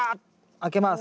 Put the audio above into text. あけます。